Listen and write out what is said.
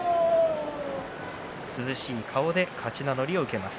涼しい顔で勝ち名乗りを受けます。